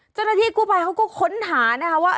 เจ้าหน้าที่กู้ภัยเขาก็ค้นหานะคะว่า